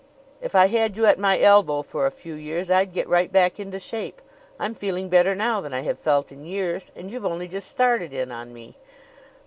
If I had you at my elbow for a few years I'd get right back into shape. I'm feeling better now than I have felt in years and you've only just started in on me.